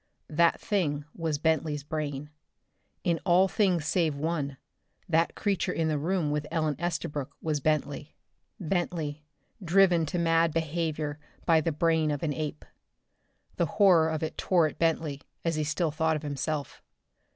That thing was "Bentley's" brain. In all things save one that creature in the room with Ellen Estabrook was Bentley. Bentley, driven to mad behavior by the brain of an ape! The horror of it tore at Bentley, as he still thought of himself.